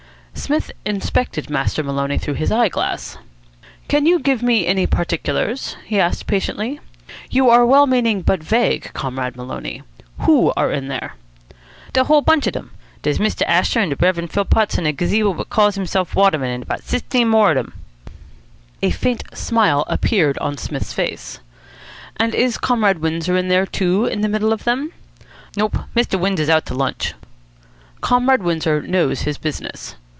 Psmith inspected Master Maloney through his eye glass. "Can you give me any particulars?" he asked patiently. "You are well meaning, but vague, Comrade Maloney. Who are in there?" "De whole bunch of dem. Dere's Mr. Asher and the Rev. Philpotts and a gazebo what calls himself Waterman and about 'steen more of dem." A faint smile appeared upon Psmith's face. "And is Comrade Windsor in there, too, in the middle of them?" "Nope. Mr. Windsor's out to lunch." "Comrade Windsor knows his business.